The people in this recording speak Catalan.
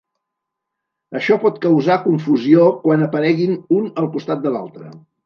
Això pot causar confusió quan apareguin un al costat de l'altre.